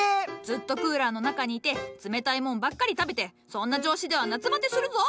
ずっとクーラーの中にいて冷たいもんばっかり食べてそんな調子では夏バテするぞ！